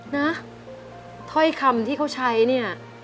นะถ้อยคำที่เขาใช้เนี่ย